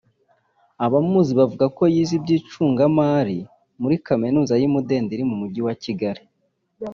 Abamuzi bavuga ko yize iby’icungamari muri Kaminuza y’i Mudende iri mu mujyi wa Kigali